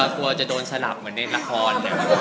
กลัวจะโดนสลับเหมือนในละคร